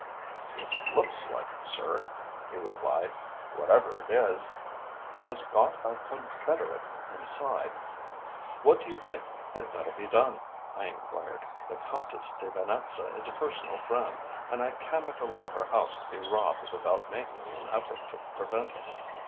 "It looks like it, sir," he replied. "Whatever it is, he has got a confederate inside." "What do you think had better be done?" I enquired. "The Countess de Venetza is a personal friend, and I cannot allow her house to be robbed without making an effort to prevent it."